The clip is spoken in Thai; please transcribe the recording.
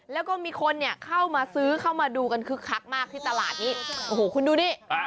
แล้วก็มีคนเนี่ยเข้ามาซื้อเข้ามาดูกันคึกคักมากที่ตลาดนี้โอ้โหคุณดูดิ